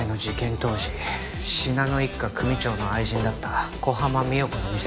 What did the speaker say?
当時信濃一家組長の愛人だった小浜三代子の店です。